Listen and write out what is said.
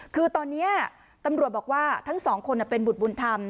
คือตอนนี้ตำรวจบอกว่าทั้งสองคนเป็นบุตรบุญธรรม